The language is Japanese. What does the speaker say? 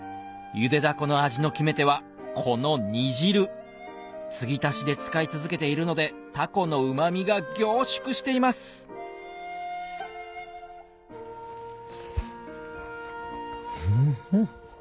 茹でダコの味の決め手はこの煮汁継ぎ足しで使い続けているのでタコのうま味が凝縮していますウフフ。